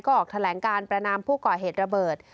ออกแถลงการประนามผู้ก่อเหตุระเบิด